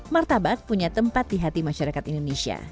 martabak punya tempat di hati masyarakat indonesia